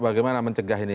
bagaimana mencegah ini